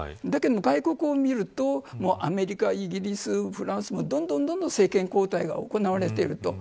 だけど、外国を見るとアメリカ、イギリス、フランスもどんどん政権交代が行われている。